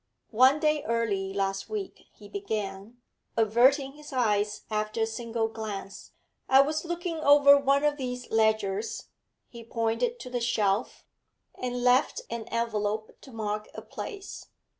'One day early last week,' he began, averting his eyes after a single glance, 'I was looking over one of these ledgers' he pointed to the shelf 'and left an envelope to mark a place.